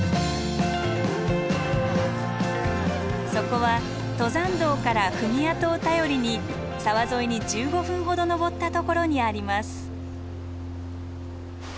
そこは登山道から踏み跡を頼りに沢沿いに１５分ほど登ったところにあります。